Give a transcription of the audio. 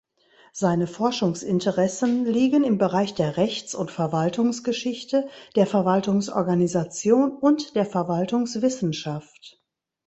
Seine Forschungsinteressen liegen im Bereich der Rechts- und Verwaltungsgeschichte, der Verwaltungsorganisation und der Verwaltungswissenschaft.